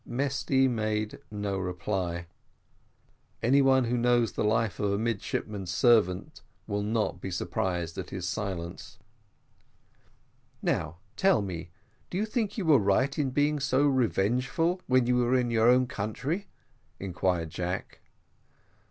Mesty made no reply: any one who knows the life of a midshipman's servant will not be surprised at his silence. "Now, tell me, do you think you were right in being so revengeful, when you were in your own country?" inquired Jack.